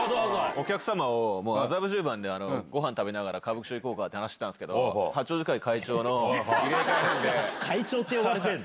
お客様を、もう麻布十番でごはん食べながら、歌舞伎町行こうかって話してたんですけど、会長って呼ばれてんだ。